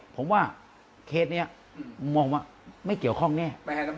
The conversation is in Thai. ผมว่าเคสนี้มองว่าไม่เกี่ยวข้องแน่